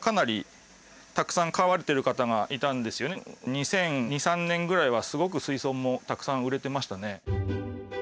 ２００２２００３年ぐらいはすごく水槽もたくさん売れてましたね。